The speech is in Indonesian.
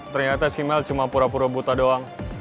ternyata si mel cuma pura pura buta doang